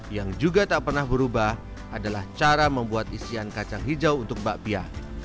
yang juga tak pernah berubah adalah cara membuat isian kacang hijau untuk bakpia